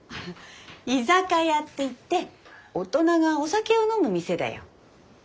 居酒屋っていって大人がお酒を飲む店だよ。